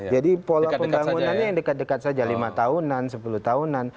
jadi pola pembangunannya yang dekat dekat saja lima tahunan sepuluh tahunan